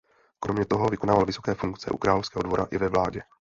Kromě toho vykonával vysoké funkce u královského dvora i ve vládě.